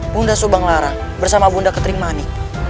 bunda subang lara bersama bunda ketering manik